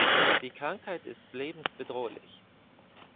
Die Krankheit ist lebensbedrohlich.